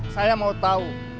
saya mau tahu